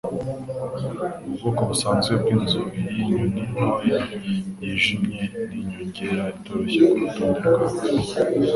Ubwoko busanzwe bwinzu yiyi nyoni ntoya yijimye ni inyongera itoroshye kurutonde rwawe